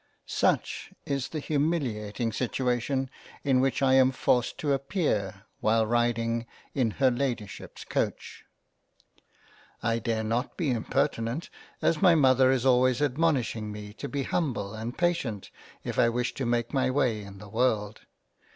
Such is the humiliating Situation in which I am forced to appear while riding in her Ladyship's Coach — I dare not be impertinent, as my Mother is always admonishing me to be humble and patient if I wish to make my way in the world.